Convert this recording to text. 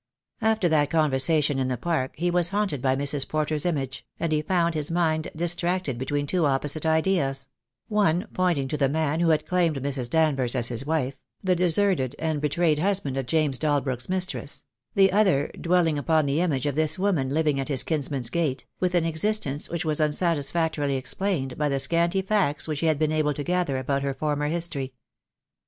After that conversation in the park he was haunted by Mrs. Porter's image, and he found his mind distracted between two opposite ideas; one pointing to the man who had claimed Mrs. Danvers as his wife, the deserted and betrayed husband of James Dalbrook's mistress; the other dwelling upon the image of this woman living at his kinsman's gate, with an existence which was unsatisfactorily explained by the scanty facts which he had been able to gather about her former history.